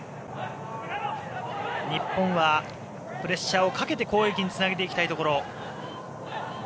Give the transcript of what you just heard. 日本はプレッシャーをかけて攻撃につなげていきたいところ。